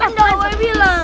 kan udah awal yang bilang